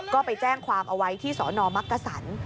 ก็ไปแจ้งความเอาไว้ที่สนมักกษัน